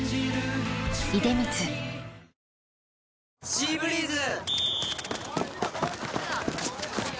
「シーブリーズ」！